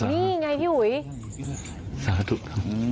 นี่ไงพี่หุย